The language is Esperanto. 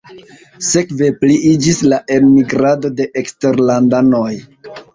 Sekve pliiĝis la enmigrado de eksterlandanoj.